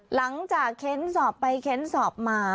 หลังจากเค้นสอบไปเค้นสอบมา